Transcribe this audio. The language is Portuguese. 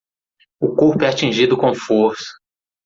O corpo é atingido com força